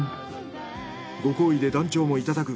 ご厚意で団長もいただく。